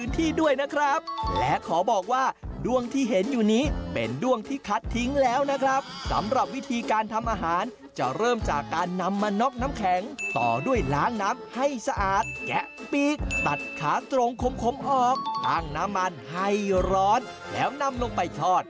ตั้งน้ำมันให้ร้อนแล้วนำลงไปทอด